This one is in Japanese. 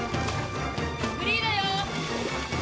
フリーだよ！